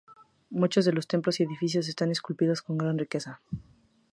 Muchos de los templos y edificios están esculpidos con gran riqueza.